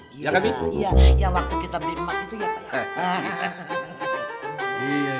iya yang waktu kita beli emas itu ya pak